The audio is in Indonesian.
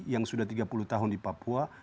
yang sudah tiga puluh tahun di papua